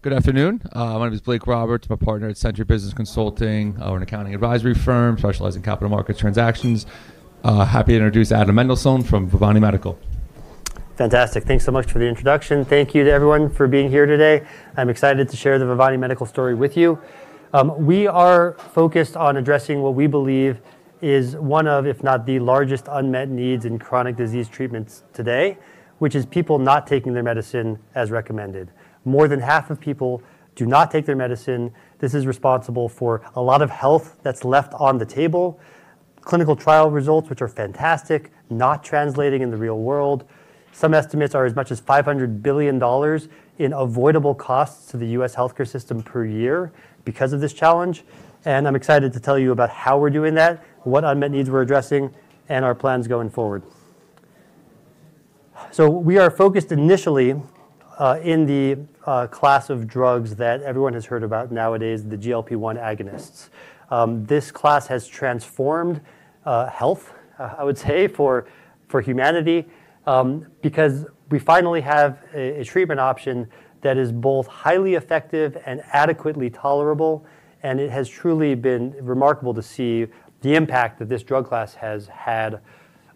Good afternoon. My name is Blake Roberts, my partner at Centri Business Consulting. We're an accounting advisory firm specializing in capital markets transactions. Happy to introduce Adam Mendelsohn from Vivani Medical. Fantastic. Thanks so much for the introduction. Thank you to everyone for being here today. I'm excited to share the Vivani Medical story with you. We are focused on addressing what we believe is one of, if not the largest unmet needs in chronic disease treatments today, which is people not taking their medicine as recommended. More than half of people do not take their medicine. This is responsible for a lot of health that's left on the table. Clinical trial results, which are fantastic, are not translating in the real world. Some estimates are as much as $500 billion in avoidable costs to the U.S. healthcare system per year because of this challenge. I'm excited to tell you about how we're doing that, what unmet needs we're addressing, and our plans going forward. We are focused initially in the class of drugs that everyone has heard about nowadays, the GLP-1 agonists. This class has transformed health, I would say, for humanity because we finally have a treatment option that is both highly effective and adequately tolerable. It has truly been remarkable to see the impact that this drug class has had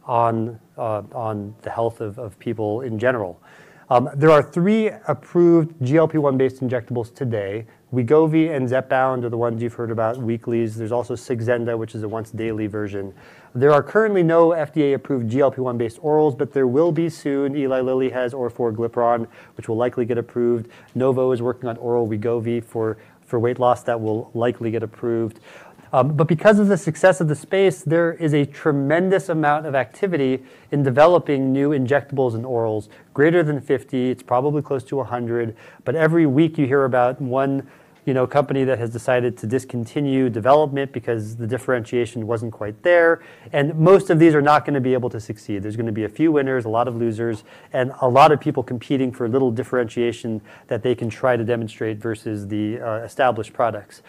on the health of people in general. There are three approved GLP-1-based injectables today. Wegovy and Zepbound are the ones you've heard about, weeklies. There's also Saxenda, which is a once-daily version. There are currently no FDA-approved GLP-1-based orals, but there will be soon. Eli Lilly has orforglipron, which will likely get approved. Novo Nordisk is working on oral Wegovy for weight loss that will likely get approved. Because of the success of the space, there is a tremendous amount of activity in developing new injectables and orals, greater than 50. It's probably close to 100. Every week you hear about one company that has decided to discontinue development because the differentiation wasn't quite there. Most of these are not going to be able to succeed. There are going to be a few winners, a lot of losers, and a lot of people competing for a little differentiation that they can try to demonstrate versus the established products.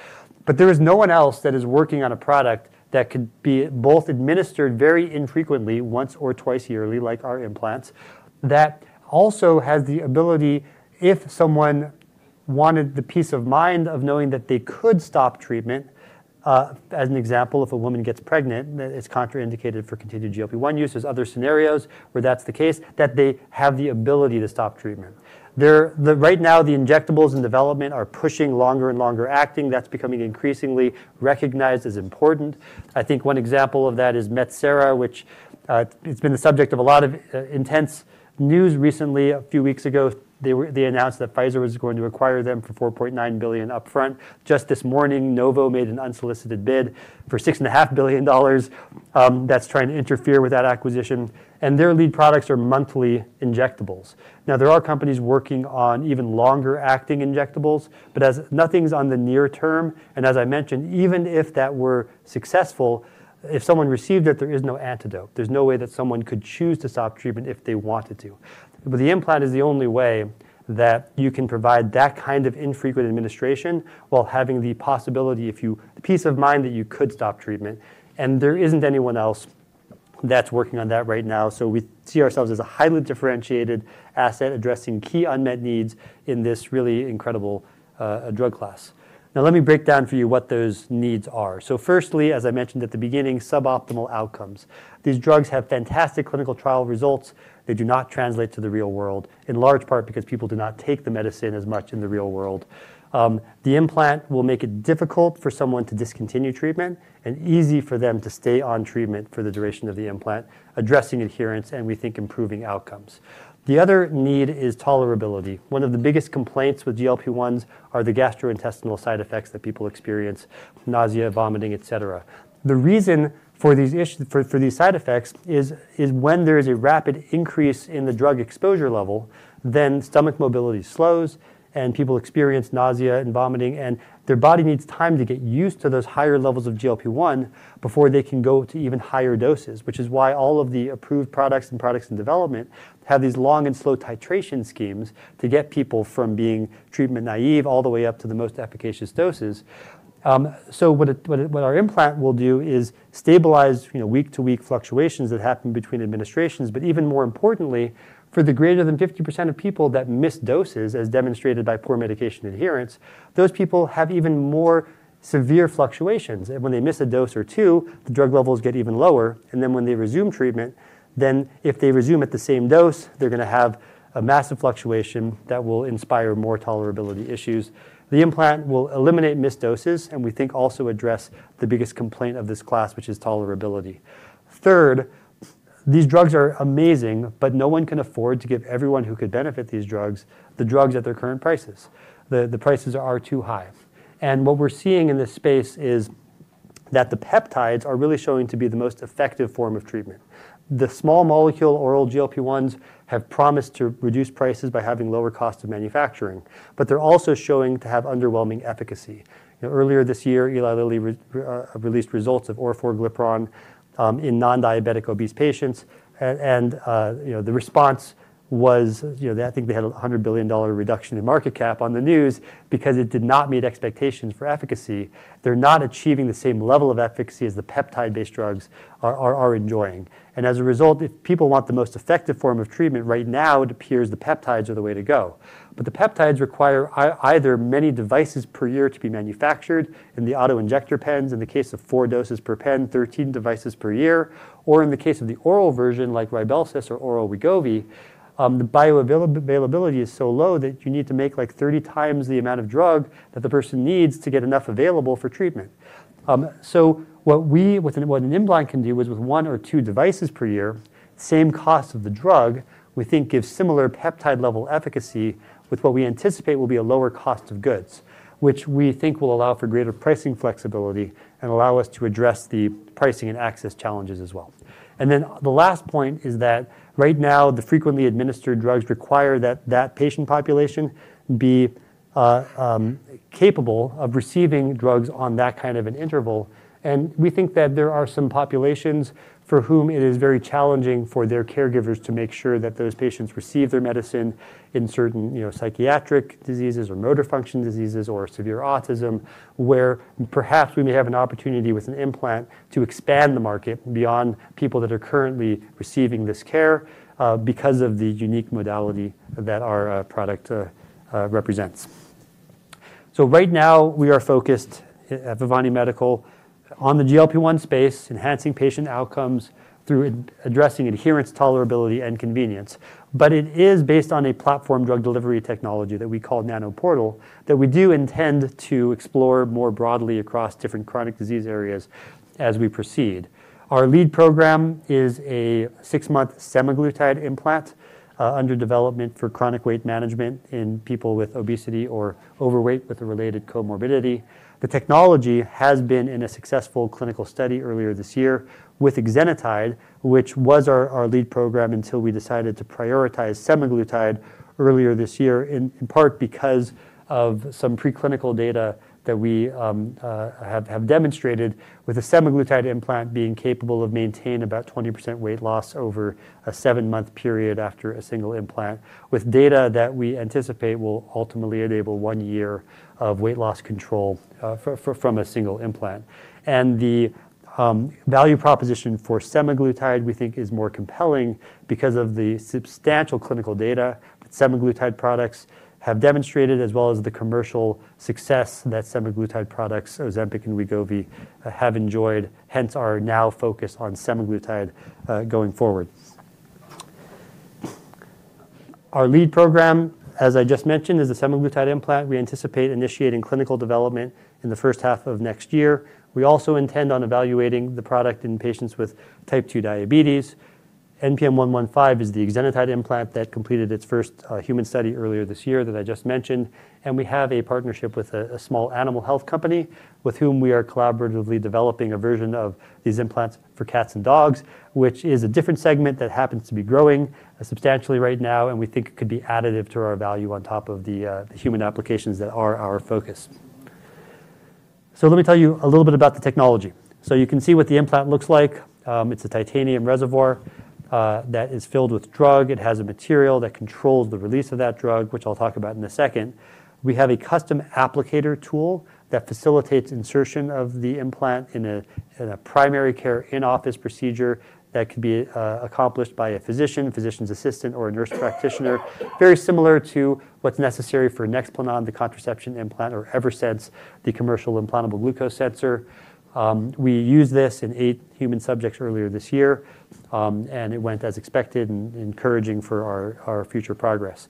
There is no one else that is working on a product that could be both administered very infrequently, once or twice yearly, like our implants, that also has the ability, if someone wanted the peace of mind of knowing that they could stop treatment. As an example, if a woman gets pregnant, that it's contraindicated for continued GLP-1 use as other scenarios where that's the case, that they have the ability to stop treatment. Right now, the injectables in development are pushing longer and longer acting. That's becoming increasingly recognized as important. I think one example of that is Metsera, which has been the subject of a lot of intense news recently. A few weeks ago, they announced that Pfizer was going to acquire them for $4.9 billion upfront. Just this morning, Novo Nordisk made an unsolicited bid for $6.5 billion. That's trying to interfere with that acquisition. Their lead products are monthly injectables. There are companies working on even longer acting injectables, but as nothing's on the near term, and as I mentioned, even if that were successful, if someone received it, there is no antidote. There's no way that someone could choose to stop treatment if they wanted to. The implant is the only way that you can provide that kind of infrequent administration while having the possibility, if you the peace of mind that you could stop treatment. There isn't anyone else that's working on that right now. We see ourselves as a highly differentiated asset addressing key unmet needs in this really incredible drug class. Now, let me break down for you what those needs are. Firstly, as I mentioned at the beginning, suboptimal outcomes. These drugs have fantastic clinical trial results. They do not translate to the real world, in large part because people do not take the medicine as much in the real world. The implant will make it difficult for someone to discontinue treatment and easy for them to stay on treatment for the duration of the implant, addressing adherence, and we think improving outcomes. The other need is tolerability. One of the biggest complaints with GLP-1s are the gastrointestinal side effects that people experience: nausea, vomiting, et cetera. The reason for these side effects is when there is a rapid increase in the drug exposure level, then stomach mobility slows, and people experience nausea and vomiting. Their body needs time to get used to those higher levels of GLP-1 before they can go to even higher doses, which is why all of the approved products and products in development have these long and slow titration schemes to get people from being treatment naive all the way up to the most efficacious doses. What our implant will do is stabilize week-to-week fluctuations that happen between administrations. Even more importantly, for the greater than 50% of people that miss doses, as demonstrated by poor medication adherence, those people have even more severe fluctuations. When they miss a dose or two, the drug levels get even lower. When they resume treatment, if they resume at the same dose, they're going to have a massive fluctuation that will inspire more tolerability issues. The implant will eliminate missed doses, and we think also address the biggest complaint of this class, which is tolerability. Third, these drugs are amazing, but no one can afford to give everyone who could benefit these drugs the drugs at their current prices. The prices are too high. What we're seeing in this space is that the peptides are really showing to be the most effective form of treatment. The small molecule oral GLP-1s have promised to reduce prices by having lower cost of manufacturing, but they're also showing to have underwhelming efficacy. Earlier this year, Eli Lilly released results for orforglipron in non-diabetic obese patients. The response was, I think they had a $100 billion reduction in market cap on the news because it did not meet expectations for efficacy. They're not achieving the same level of efficacy as the peptide-based drugs are enjoying. As a result, if people want the most effective form of treatment right now, it appears the peptides are the way to go. The peptides require either many devices per year to be manufactured in the auto injector pens, in the case of four doses per pen, 13 devices per year, or in the case of the oral version, like Rybelsus or oral Wegovy, the bioavailability is so low that you need to make like 30 times the amount of drug that the person needs to get enough available for treatment. What an implant can do is, with one or two devices per year, same cost of the drug, we think gives similar peptide-level efficacy with what we anticipate will be a lower cost of goods, which we think will allow for greater pricing flexibility and allow us to address the pricing and access challenges as well. The last point is that right now, the frequently administered drugs require that that patient population be capable of receiving drugs on that kind of an interval. We think that there are some populations for whom it is very challenging for their caregivers to make sure that those patients receive their medicine in certain psychiatric diseases or motor function diseases or severe autism, where perhaps we may have an opportunity with an implant to expand the market beyond people that are currently receiving this care because of the unique modality that our product represents. Right now, we are focused at Vivani Medical on the GLP-1 space, enhancing patient outcomes through addressing adherence, tolerability, and convenience. It is based on a platform drug delivery technology that we call NanoPortal that we do intend to explore more broadly across different chronic disease areas as we proceed. Our lead program is a six-month semaglutide implant under development for chronic weight management in people with obesity or overweight with a related comorbidity. The technology has been in a successful clinical study earlier this year with exenatide, which was our lead program until we decided to prioritize semaglutide earlier this year, in part because of some preclinical data that we have demonstrated, with a semaglutide implant being capable of maintaining about 20% weight loss over a seven-month period after a single implant, with data that we anticipate will ultimately enable one year of weight loss control from a single implant. The value proposition for semaglutide, we think, is more compelling because of the substantial clinical data that semaglutide products have demonstrated, as well as the commercial success that semaglutide products, Ozempic and Wegovy, have enjoyed, hence our now focus on semaglutide going forward. Our lead program, as I just mentioned, is the semaglutide implant. We anticipate initiating clinical development in the 1st half of next year. We also intend on evaluating the product in patients with Type 2 Diabetes. NPM-115 is the exenatide implant that completed its first human study earlier this year that I just mentioned. We have a partnership with a small animal health company with whom we are collaboratively developing a version of these implants for cats and dogs, which is a different segment that happens to be growing substantially right now. We think it could be additive to our value on top of the human applications that are our focus. Let me tell you a little bit about the technology so you can see what the implant looks like. It's a Titanium Reservoir that is filled with drug. It has a material that controls the release of that drug, which I'll talk about in a second. We have a custom applicator tool that facilitates insertion of the implant in a primary care in-office procedure that could be accomplished by a Physician, Physician's Assistant, or a Nurse Practitioner, very similar to what's necessary for Nexplanon, the contraception implant, or Eversense, the Commercial Implantable Glucose Sensor. We used this in eight human subjects earlier this year, and it went as expected and encouraging for our future progress.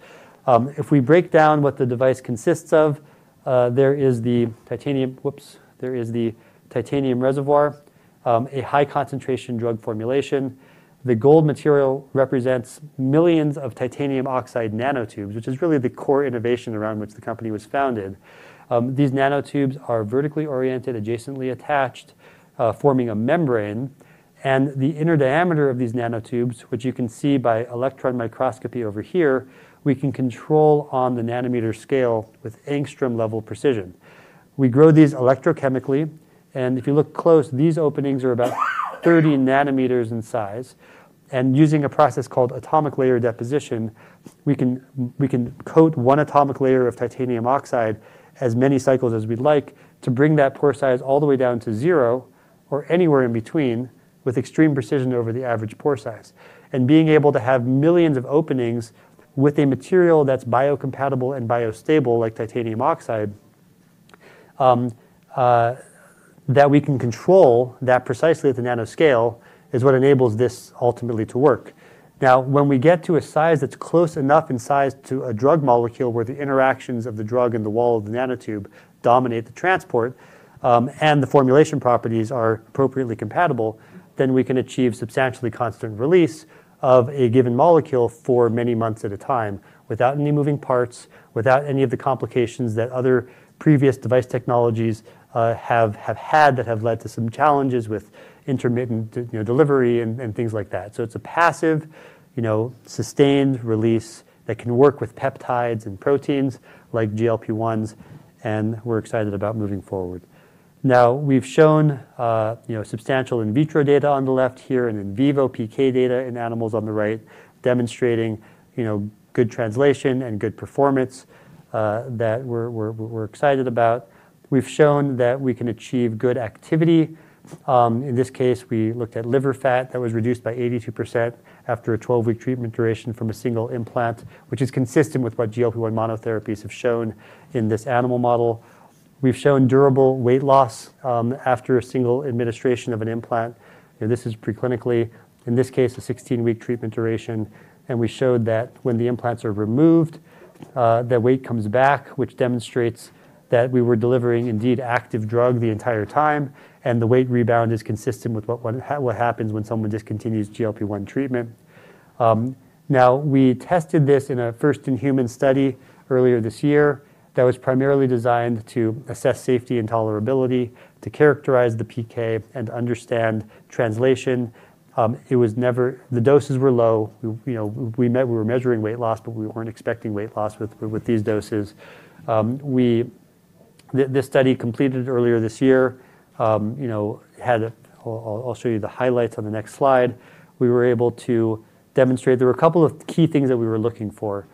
If we break down what the device consists of, there is the titanium reservoir, a high-concentration drug formulation. The gold material represents millions of Titanium Oxide Nanotubes, which is really the core innovation around which the company was founded. These nanotubes are vertically oriented, adjacently attached, forming a membrane. The inner diameter of these nanotubes, which you can see by electron microscopy over here, we can control on the nanometer scale with Angstrom-level precision. We grow these electrochemically. If you look close, these openings are about 30 nm in size. Using a process called Atomic Layer Deposition, we can coat one atomic layer of Titanium Oxide as many cycles as we'd like to bring that pore size all the way down to zero or anywhere in between with extreme precision over the average pore size. Being able to have millions of openings with a material that's biocompatible and bio-stable, like titanium oxide, that we can control that precisely at the nanoscale is what enables this ultimately to work. Now, when we get to a size that's close enough in size to a drug molecule where the interactions of the drug and the wall of the nanotube dominate the transport and the formulation properties are appropriately compatible, then we can achieve substantially constant release of a given molecule for many months at a time without any moving parts, without any of the complications that other previous device technologies have had that have led to some challenges with intermittent delivery and things like that. It's a passive, sustained release that can work with Peptides and Proteins like GLP-1s. We're excited about moving forward. Now, we've shown. Substantial in Vitro data on the left here and in Vivo PK data in animals on the right, demonstrating good translation and good performance that we're excited about. We've shown that we can achieve good activity. In this case, we looked at liver fat that was reduced by 82% after a 12-week treatment duration from a single implant, which is consistent with what GLP-1 Monotherapies have shown in this animal model. We've shown durable weight loss after a single administration of an implant. This is preclinically, in this case, a 16-week treatment duration. We showed that when the implants are removed, the weight comes back, which demonstrates that we were delivering indeed active drug the entire time. The weight rebound is consistent with what happens when someone discontinues GLP-1 treatment. We tested this in a first-in-human study earlier this year that was primarily designed to assess safety and tolerability, to characterize the PK, and to understand translation. The doses were low. We were measuring weight loss, but we weren't expecting weight loss with these doses. This study completed earlier this year. I'll show you the highlights on the next slide. We were able to demonstrate there were a couple of key things that we were looking for.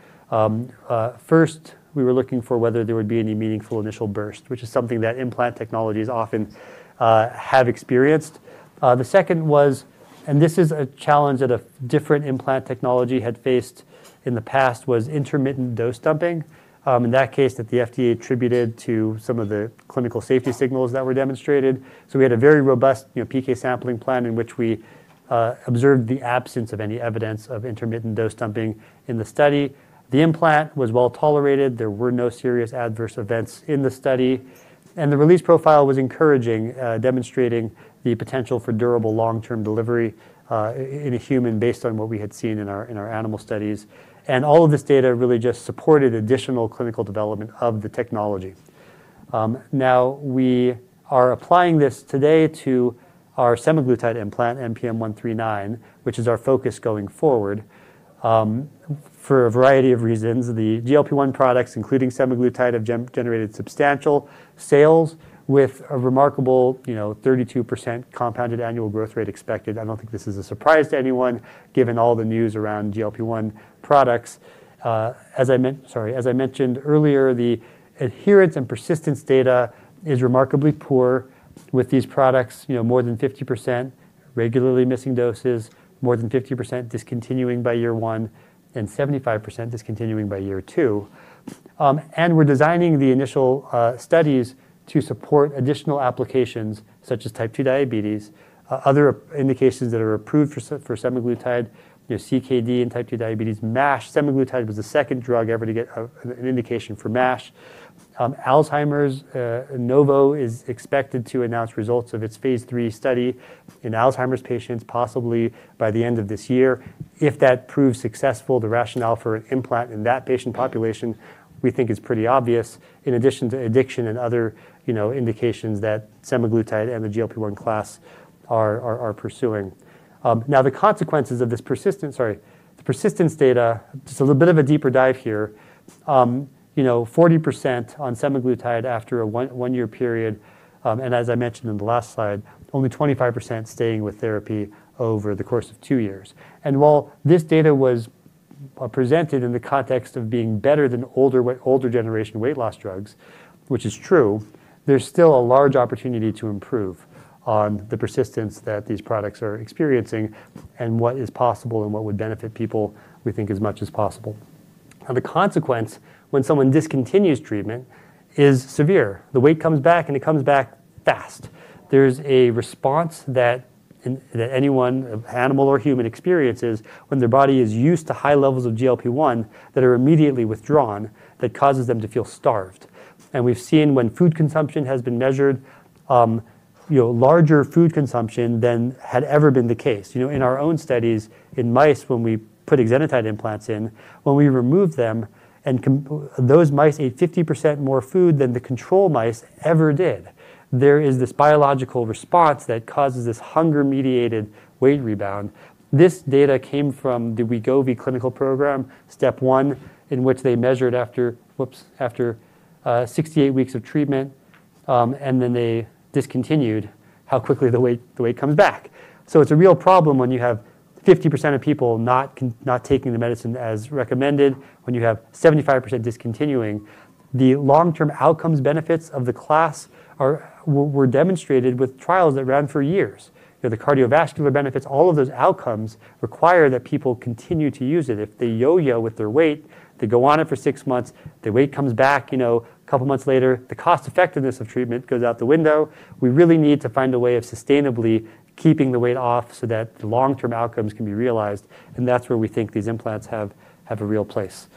First, we were looking for whether there would be any meaningful initial burst, which is something that implant technologies often have experienced. The second was, and this is a challenge that a different implant technology had faced in the past, intermittent dose dumping. In that case, the FDA attributed this to some of the clinical safety signals that were demonstrated. We had a very robust PK sampling plan in which we observed the absence of any evidence of intermittent dose dumping in the study. The implant was well tolerated. There were no serious adverse events in the study. The release profile was encouraging, demonstrating the potential for durable long-term delivery in a human based on what we had seen in our animal studies. All of this data really just supported additional clinical development of the technology. Now, we are applying this today to our semaglutide implant, NPM-139, which is our focus going forward for a variety of reasons. The GLP-1 products, including semaglutide, have generated substantial sales with a remarkable 32% compounded annual growth rate expected. I don't think this is a surprise to anyone, given all the news around GLP-1 products. As I mentioned earlier, the adherence and persistence data is remarkably poor with these products, more than 50% regularly missing doses, more than 50% discontinuing by year one, and 75% discontinuing by year two. We're designing the initial studies to support additional applications such as Type 2 Diabetes. Other indications that are approved for semaglutide, CKD, and Type 2 Diabetes, MASH. semaglutide was the 2nd drug ever to get an indication for MASH. Alzheimer's, Novo is expected to announce results of its phase III study in Alzheimer's patients, possibly by the end of this year. If that proves successful, the rationale for an implant in that patient population, we think, is pretty obvious, in addition to addiction and other indications that semaglutide and the GLP-1 class are pursuing. Now, the consequences of this persistence, sorry, the persistence data, just a little bit of a deeper dive here. 40% on semaglutide after a one-year period. As I mentioned in the last slide, only 25% staying with therapy over the course of two years. While this data was presented in the context of being better than older generation weight loss drugs, which is true, there's still a large opportunity to improve on the persistence that these products are experiencing and what is possible and what would benefit people, we think, as much as possible. The consequence when someone discontinues treatment is severe. The weight comes back, and it comes back fast. There's a response that anyone, animal or human, experiences when their body is used to high levels of GLP-1 that are immediately withdrawn that causes them to feel starved. We've seen when food consumption has been measured, larger food consumption than had ever been the case. In our own studies in mice, when we put exenatide implants in, when we removed them, those mice ate 50% more food than the control mice ever did. There is this biological response that causes this hunger-mediated weight rebound. This data came from the Wegovy Clinical Program, STEP one, in which they measured after 68 weeks of treatment, and then they discontinued how quickly the weight comes back. It's a real problem when you have 50% of people not taking the medicine as recommended, when you have 75% discontinuing. The long-term outcomes, benefits of the class, were demonstrated with trials that ran for years. The cardiovascular benefits, all of those outcomes require that people continue to use it. If they yo-yo with their weight, they go on it for six months, the weight comes back a couple of months later, the cost-effectiveness of treatment goes out the window. We really need to find a way of sustainably keeping the weight off so that the long-term outcomes can be realized. That's where we think these implants have a real place.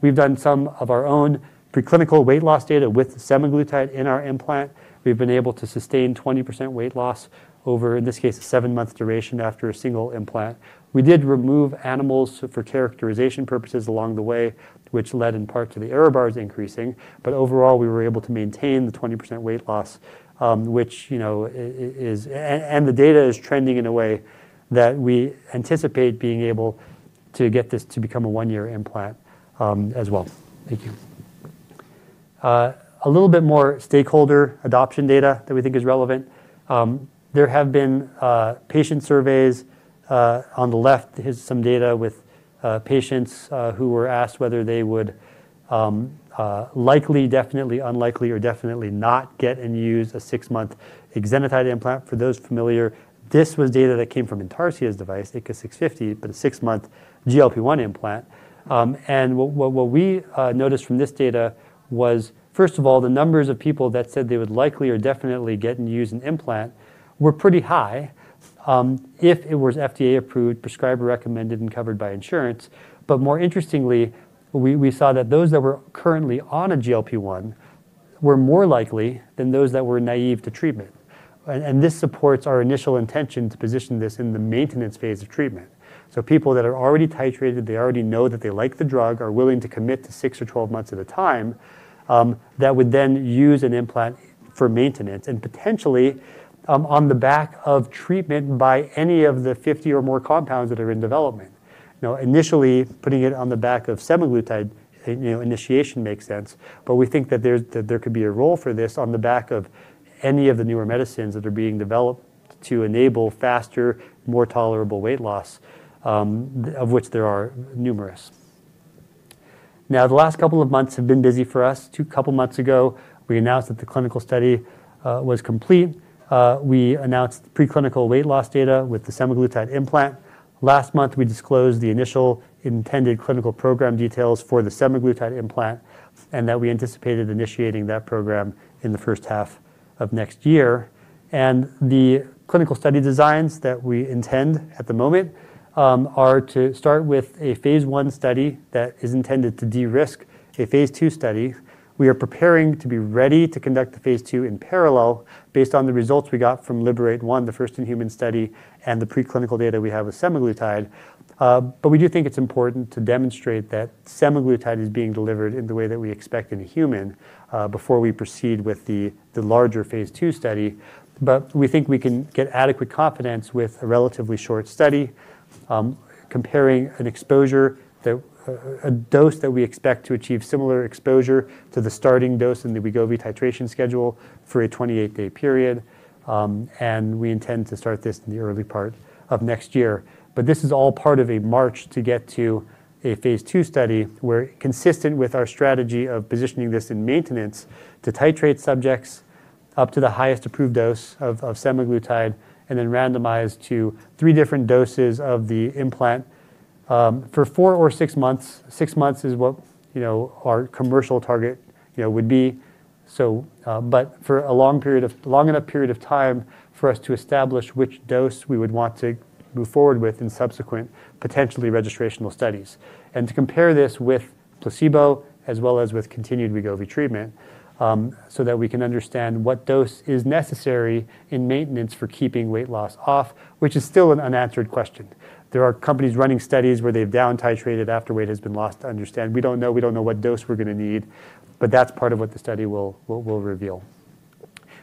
We've done some of our own preclinical weight loss data with semaglutide in our implant. We've been able to sustain 20% weight loss over, in this case, a seven-month duration after a single implant. We did remove animals for characterization purposes along the way, which led in part to the error bars increasing. Overall, we were able to maintain the 20% weight loss. The data is trending in a way that we anticipate being able to get this to become a one-year implant as well. Thank you. A little bit more stakeholder adoption data that we think is relevant. There have been patient surveys. On the left, there's some data with patients who were asked whether they would likely, definitely, unlikely, or definitely not get and use a six-month exenatide implant. For those familiar, this was data that came from Intarcia's device, ITCA 650, but a six-month GLP-1 implant. What we noticed from this data was, first of all, the numbers of people that said they would likely or definitely get and use an implant were pretty high if it was FDA approved, prescribed or recommended, and covered by insurance. More interestingly, we saw that those that were currently on a GLP-1 were more likely than those that were naive to treatment. This supports our initial intention to position this in the maintenance-phase treatment. People that are already titrated, they already know that they like the drug, are willing to commit to 6 or 12 months at a time, that would then use an implant for maintenance and potentially on the back of treatment by any of the 50 or more compounds that are in development. Initially, putting it on the back of semaglutide initiation makes sense. We think that there could be a role for this on the back of any of the newer medicines that are being developed to enable faster, more tolerable weight loss, of which there are numerous. The last couple of months have been busy for us. Two couple of months ago, we announced that the clinical study was complete. We announced preclinical weight loss data with the semaglutide implant. Last month, we disclosed the initial intended clinical program details for the semaglutide implant and that we anticipated initiating that program in the 1st half of next year. The clinical study designs that we intend at the moment are to start with a phase I study that is intended to de-risk a phase II study. We are preparing to be ready to conduct the phase two in parallel based on the results we got from LIBERATE-1, the first-in-human study, and the preclinical data we have with semaglutide. We do think it's important to demonstrate that semaglutide is being delivered in the way that we expect in a human before we proceed with the larger phase two study. We think we can get adequate confidence with a relatively short study, comparing an exposure, a dose that we expect to achieve similar exposure to the starting dose in the Wegovy titration schedule for a 28-day period. We intend to start this in the early part of next year. This is all part of a march to get to a phase II study where, consistent with our strategy of positioning this in maintenance to titrate subjects up to the highest approved dose of semaglutide and then randomize to three different doses of the implant for four or six months. Six months is what our commercial target would be, but for a long enough period of time for us to establish which dose we would want to move forward with in subsequent potentially registrational studies, and to compare this with placebo as well as with continued Wegovy treatment. We want to understand what dose is necessary in maintenance for keeping weight loss off, which is still an unanswered question. There are companies running studies where they've downtitrated after weight has been lost to understand. We don't know what dose we're going to need, but that's part of what the study will reveal.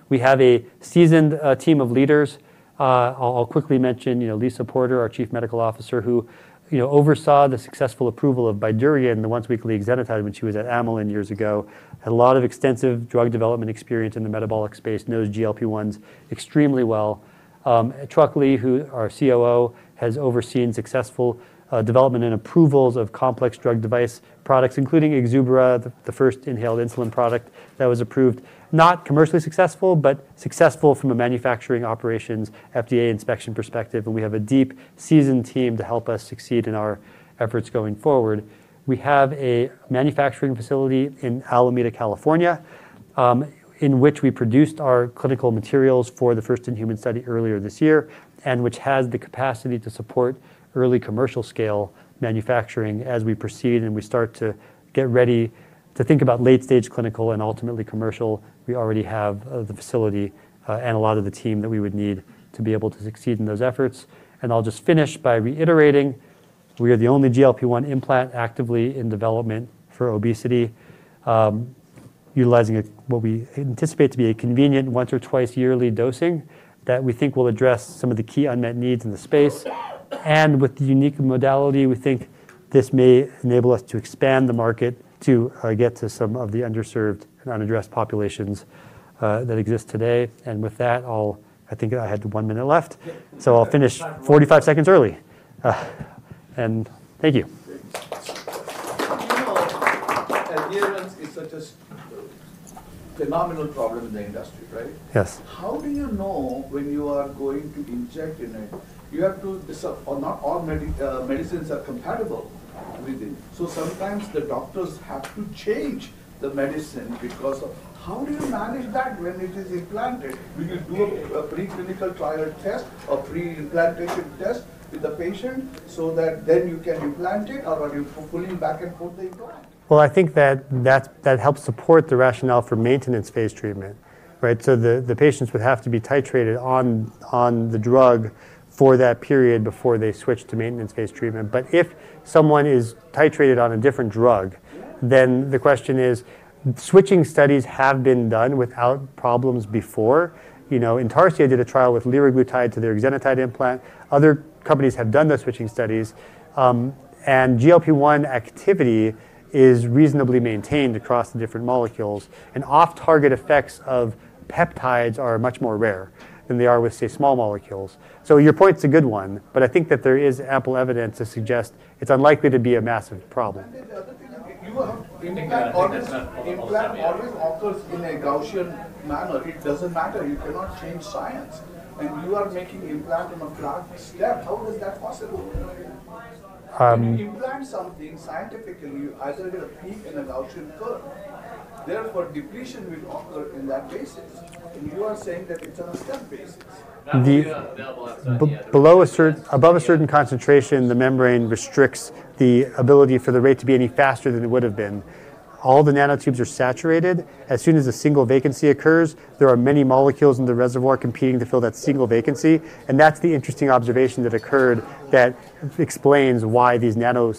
We have a seasoned team of leaders. I'll quickly mention Lisa Porter, our Chief Medical Officer, who oversaw the successful approval of Bydureon and the once-weekly exenatide when she was at Amylin years ago, had a lot of extensive drug development experience in the metabolic space, knows GLP-1s extremely well. Truckley, who is our COO, has overseen successful development and approvals of complex drug device products, including Exubera, the 1st inhaled insulin product that was approved. Not commercially successful, but successful from a manufacturing operations FDA inspection perspective. We have a deep, seasoned team to help us succeed in our efforts going forward. We have a manufacturing facility in Alameda, California, in which we produced our clinical materials for the first-in-human study earlier this year and which has the capacity to support early commercial-scale manufacturing as we proceed and start to get ready to think about late-stage clinical and ultimately commercial. We already have the facility and a lot of the team that we would need to be able to succeed in those efforts. I will just finish by reiterating, we are the only GLP-1 implant actively in development for obesity, utilizing what we anticipate to be a convenient once or twice-yearly dosing that we think will address some of the key unmet needs in the space. With the unique modality, we think this may enable us to expand the market to get to some of the underserved and unaddressed populations that exist today. I think I had one minute left, so I'll finish 45 seconds early. Thank you. Adherence is such a phenomenal problem in the industry, right? Yes. How do you know when you are going to inject in it? You have to discuss all medicines are compatible with it. Sometimes the doctors have to change the medicine because of how do you manage that when it is implanted? Do you do a Preclinical trial test, a Pre-implantation test with the patient so that then you can implant it or are you pulling back and forth the implant? I think that helps support the rationale for Maintenance-phase treatment, right? The patients would have to be titrated on the drug for that period before they switch to Maintenance-phase treatment. If someone is titrated on a different drug, then the question is, switching studies have been done without problems before. Intarcia did a trial with liraglutide to their exenatide implant. Other companies have done the switching studies. GLP-1 activity is reasonably maintained across the different molecules. Off-target effects of peptides are much more rare than they are with, say, small molecules. Your point's a good one, but I think that there is ample evidence to suggest it's unlikely to be a massive problem. The other thing is that implant always occurs in a Gaussian manner. It doesn't matter. You cannot change science. You are making implant on a flat step. How is that possible? When you implant something scientifically, you either get a peak in a Gaussian curve. Therefore, depletion will occur in that basis. You are saying that it's on a step basis. Below a certain concentration, the membrane restricts the ability for the rate to be any faster than it would have been. All the nanotubes are saturated. As soon as a single vacancy occurs, there are many molecules in the reservoir competing to fill that single vacancy. That's the interesting observation that occurred that explains why these nano.